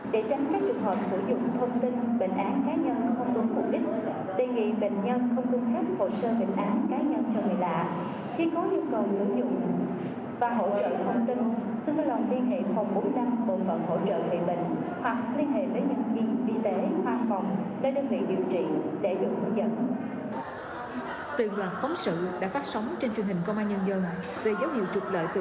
để tránh các trường hợp sử dụng thông tin bệnh án cá nhân không đúng mục đích